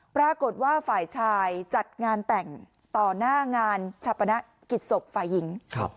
ปรากฏว่าฝ่ายชายจัดงานแต่งต่อหน้างานชาปนกิจศพฝ่ายหญิง